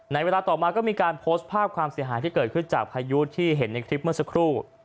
ในเวลาต่อมาก็มีการโพสต์ภาพความเสียหายที่เกิดขึ้นจากพายุที่เห็นในคลิปเมื่อสักครู่